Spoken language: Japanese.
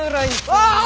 ああ！